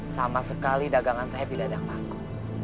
sama sekali dagangan saya tidak ada yang laku